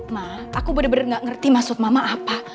mak aku bener bener gak ngerti maksud mama apa